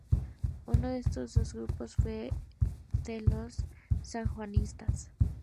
Uno de estos grupos fue el de los Sanjuanistas.